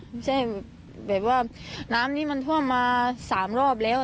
ไม่ใช่แบบว่าน้ำนี้มันท่วมมา๓รอบแล้ว